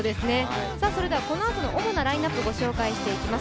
このあとの主なラインナップご紹介していきます。